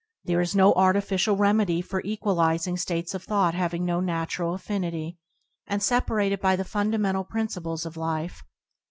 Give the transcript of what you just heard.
There is no artificial remedy for equalizing states of thought having no natural affinity, and separated by the fundamental princi ples of life.